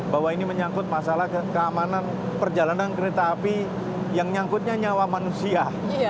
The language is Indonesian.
bahwa ini menyangkut masalah keamanan perjalanan kereta api yang nyangkutnya nyawa manusia